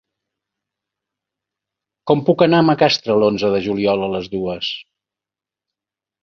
Com puc anar a Macastre l'onze de juliol a les dues?